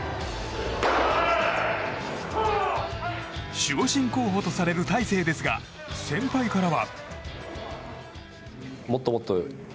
守護神候補とされる大勢ですが先輩からは。